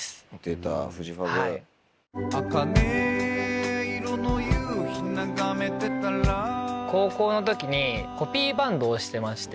茜色の夕日眺めてたら高校の時にコピーバンドをしてまして。